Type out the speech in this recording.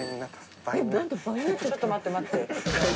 ちょっと待って待って。